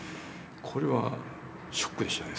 これはショックでしたね